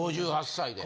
５８歳で。